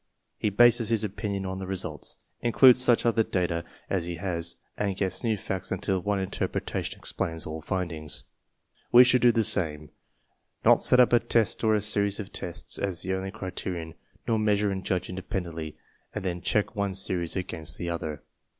He bases his opinion on the results, including such other data as he has, and gets new facts until one interpreta tion explains all findings. We should do the same, not set up a test or a series of tests as the only criterion, nor measure and judge independently and then check one series against the other.